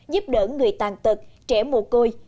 giúp đỡ người tàn tật trẻ mù côi